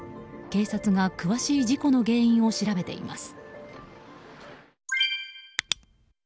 警察が詳しい事故の原因を調べています。